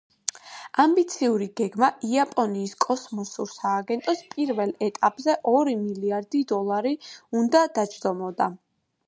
ამბიციური გეგმა იაპონიის კოსმოსურ სააგენტოს პირველ ეტაპზე ორი მილიარდი დოლარი უნდა დაჯდომოდა.